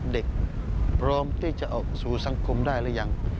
เด็กพร้อมที่จะออกสู่สังคมได้หรือยัง